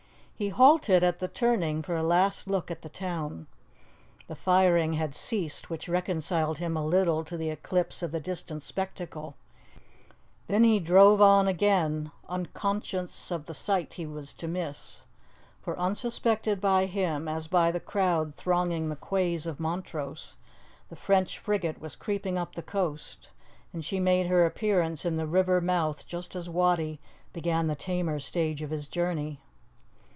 He halted at the turning for a last look at the town. The firing had ceased, which reconciled him a little to the eclipse of the distant spectacle; then he drove on again, unconscious of the sight he was to miss. For, unsuspected by him, as by the crowd thronging the quays of Montrose, the French frigate was creeping up the coast, and she made her appearance in the river mouth just as Wattie began the tamer stage of his journey.